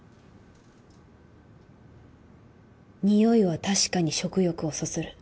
においは確かに食欲をそそる。